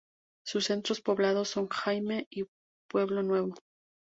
Sus centros poblados son Jaime y Pueblo Nuevo.